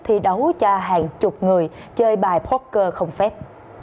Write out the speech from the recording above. thi đấu cho hàng chục người chơi bài poker không phép